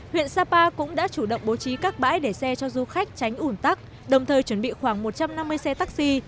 huyện sapa cũng đã chủ động bố trí các bãi để xe cho du khách tránh ủn tắc đồng thời chuẩn bị khoảng một trăm năm mươi xe taxi